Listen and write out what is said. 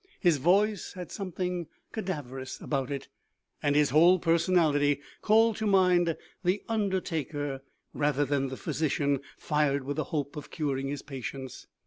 His voice had something cadaver ous about it, and his whole personality called to mind the undertaker rather than the physi cian fired with the hope of curing his patients.